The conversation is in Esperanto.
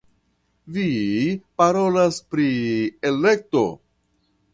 Vi parolas pri elekto!